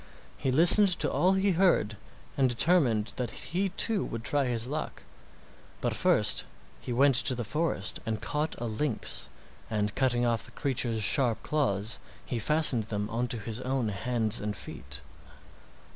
He listened to all he heard and determined that he too would try his luck. But first he went to the forest and caught a lynx, and cutting off the creature's sharp claws, he fastened them on to his own hands and feet.